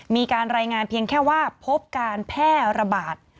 มีการรายงานเพียงแค่ว่าพบการแพร่ระบาด